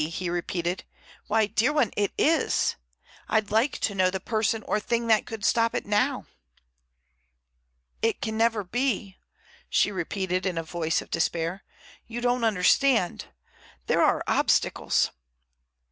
he repeated. "Why, dear one, it is. I'd like to know the person or thing that could stop it now!" "It can never be," she repeated in a voice of despair. "You don't understand. There are obstacles."